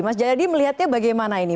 mas jayadi melihatnya bagaimana ini